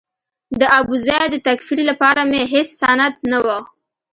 د ابوزید د تکفیر لپاره مې هېڅ سند نه و.